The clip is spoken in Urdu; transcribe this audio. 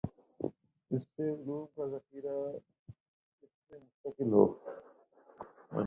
سے علوم کا ذخیرہ اس میں منتقل ہو